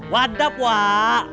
what up wak